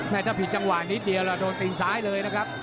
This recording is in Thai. ถ้าผิดจังหวะนิดเดียวแล้วโดนตีนซ้ายเลยนะครับ